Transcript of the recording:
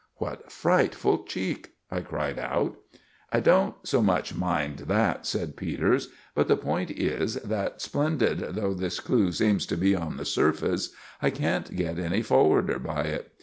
"What frightful cheek!" I cried out. "I don't so much mind that," said Peters; "but the point is that, splendid though this clue seems to be on the surface, I can't get any forwarder by it.